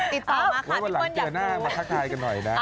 ติดต่อมาสวัสดีครับที่วันอยากรู้